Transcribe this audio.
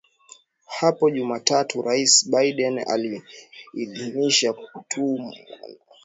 Hapo Jumatatu Raisi Biden aliidhinisha kutumwa kwa wanajeshi wasiozidi mia tano katika taifa hilo la Afrika mashariki